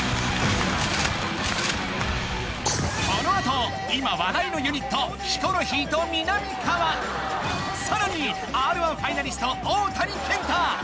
このあと今話題のユニットヒコロヒーとみなみかわさらにＲ−１ファイナリスト大谷健太